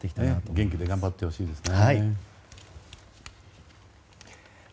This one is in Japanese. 元気で頑張ってほしいですね。